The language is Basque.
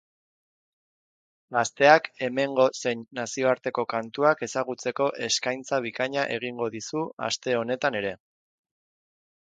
Gazteak hemengo zein nazioarteko kantuak ezagutzeko eskaintza bikaina egingo dizu aste honetan ere.